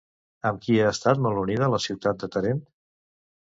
Amb qui ha estat molt unida la ciutat de Tàrent?